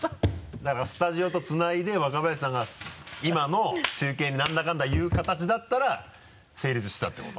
だからスタジオとつないで若林さんが今の中継に何だかんだ言うかたちだったら成立してたってこと？